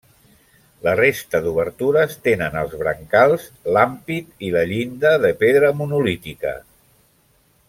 La resta d’obertures tenen els brancals, l’ampit i la llinda de pedra monolítica.